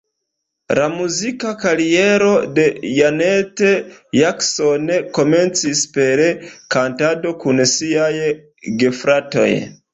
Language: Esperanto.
La muzika kariero de Janet Jackson komencis per kantado kun siaj gefratoj.